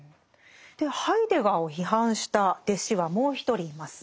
でハイデガーを批判した弟子はもう１人います。